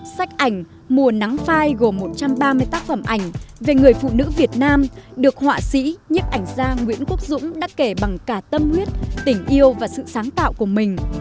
sách ảnh mùa nắng phai gồm một trăm ba mươi tác phẩm ảnh về người phụ nữ việt nam được họa sĩ nhiếp ảnh gia nguyễn quốc dũng đắc kể bằng cả tâm huyết tình yêu và sự sáng tạo của mình